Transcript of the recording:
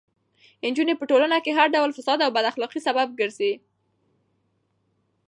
نجونې په ټولنه کې د هر ډول فساد او بد اخلاقۍ سبب ګرځي.